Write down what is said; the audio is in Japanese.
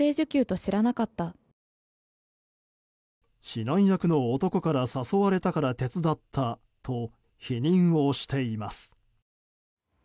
指南役の男から誘われたから手伝ったと否認をしています。